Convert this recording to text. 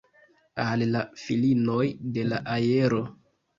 Al la filinoj de la aero!